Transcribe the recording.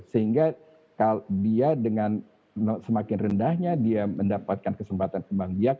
sehingga dia dengan semakin rendahnya dia mendapatkan kesempatan kembang biak